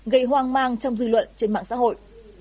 gây hoang mang trong dư luận trên mạng xã hội